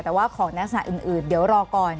แต่ว่าของในลักษณะอื่นเดี๋ยวรอก่อน